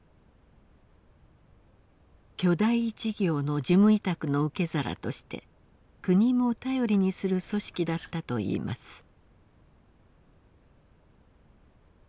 巨大事業の事務委託の受け皿として国も頼りにする組織だったといいます。